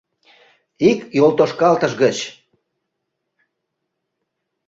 Ик йолтошкалтыш гыч...